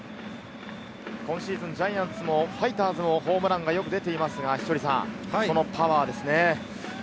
今シーズン、ジャイアンツもファイターズもホームランがよく出ていますが、このパワーですね。